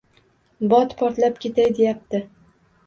Bot portlab ketay deyapti.